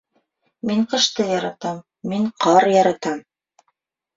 Мин ҡышты яратам, мин ҡар яратам